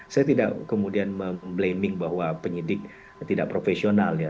saya tidak kemudian memblaming bahwa penyidik tidak profesional ya